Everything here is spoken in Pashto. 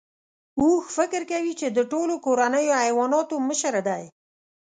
اوښ فکر کوي چې د ټولو کورنیو حیواناتو مشر دی.